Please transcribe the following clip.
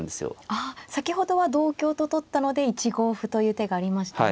あ先ほどは同香と取ったので１五歩という手がありましたが。